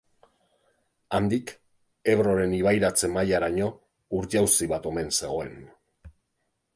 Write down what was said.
Handik, Ebroren ibairatze-mailaraino ur-jauzi bat omen zegoen.